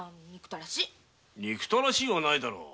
憎たらしいはないだろう。